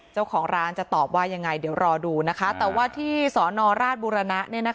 เจ้าของร้านจะตอบว่ายังไงเดี๋ยวรอดูนะคะแต่ว่าที่สนราชบุรณะ